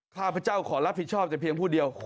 ข้าพเจ้าขอรับผิดชอบแต่เพียงผู้เดียว